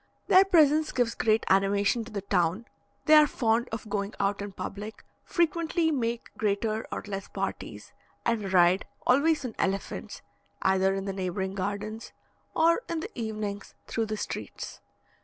Their presence gives great animation to the town; they are fond of going out in public, frequently make greater or less parties, and ride (always on elephants) either in the neighbouring gardens, or in the evenings through the streets.